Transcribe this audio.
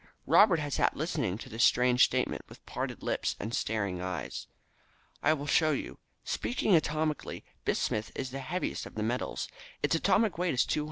Robert had sat listening to this strange statement with parted lips and staring eyes. "I will show you. Speaking atomically, bismuth is the heaviest of the metals. Its atomic weight is 210.